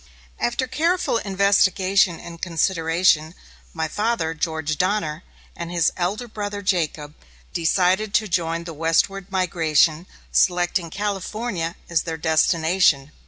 After careful investigation and consideration, my father, George Donner, and his elder brother, Jacob, decided to join the westward migration, selecting California as their destination.